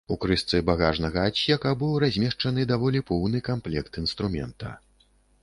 У крышцы багажнага адсека быў размешчаны даволі поўны камплект інструмента.